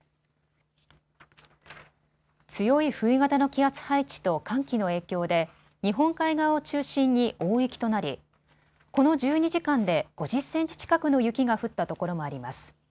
強い冬型の気圧配置と寒気の影響で日本海側を中心に大雪となりこの１２時間で５０センチ近くの雪が降ったところもあります。